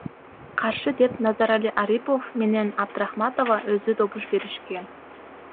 Каршы деп Назарали Арипов менен Абдрахматова өзү добуш беришкен.